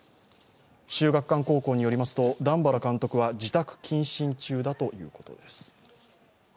秀岳館高校によりますと、段原監督は自宅謹慎中だということです。